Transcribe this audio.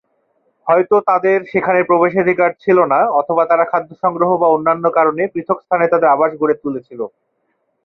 হয়ত তাদের সেখানে প্রবেশাধিকার ছিল না অথবা তারা খাদ্য সংগ্রহ বা অন্যান্য কারণে পৃথক স্থানে তাদের আবাস গড়ে তুলেছিল।